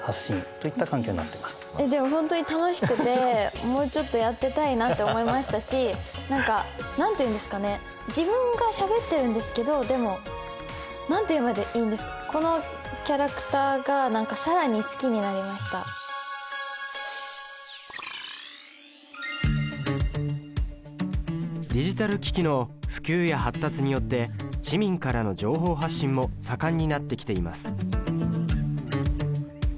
でも本当に楽しくてもうちょっとやってたいなって思いましたし何か何て言うんですかね自分がしゃべってるんですけどでも何て言えばいいんでしょうディジタル機器の普及や発達によって市民からの情報発信も盛んになってきています。